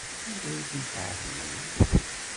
Anda ay tent-tɛebdem?